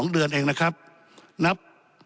๒เดือนเองนะครับนับ